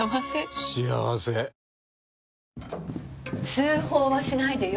通報はしないでよ